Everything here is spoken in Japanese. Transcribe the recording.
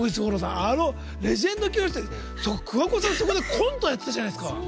あのレジェンド級の方たちが桑子さん、そこでコントやってたじゃないですか。